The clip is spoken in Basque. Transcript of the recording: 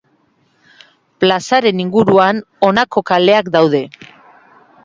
Plazaren inguruan honako kaleak daude.